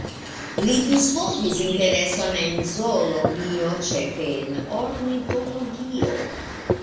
Li disvolvis intereson en zoologio, ĉefe en ornitologio.